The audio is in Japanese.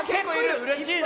うれしいな。